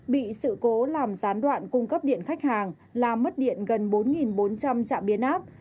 bị sự cố làm gián đoạn cung cấp điện khách hàng làm mất điện gần bốn bốn trăm linh trạm biến áp